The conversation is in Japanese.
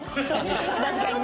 確かにね。